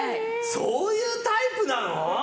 そういうタイプなの？